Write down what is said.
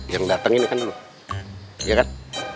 yang dateng ini kan dulu iya kan